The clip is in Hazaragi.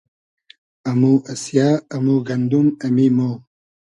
امو اسیۂ ، امو گئندوم ، امی مۉ